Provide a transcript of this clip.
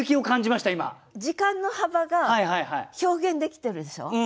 時間の幅が表現できてるでしょ？